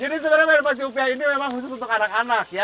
jadi sebenarnya main pacu upiah ini memang khusus untuk anak anak ya